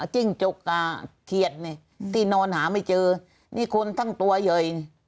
จิ้งจกกับเขียดนี่ที่นอนหาไม่เจอนี่คนทั้งตัวใหญ่